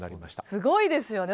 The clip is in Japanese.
すごいですよね。